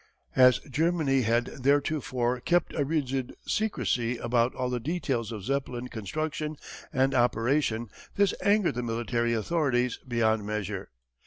As Germany had theretofore kept a rigid secrecy about all the details of Zeppelin construction and operation this angered the military authorities beyond measure.